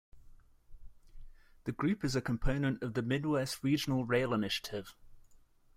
The group is a component of the Midwest Regional Rail Initiative.